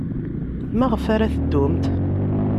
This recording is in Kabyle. Maɣef ara teddumt?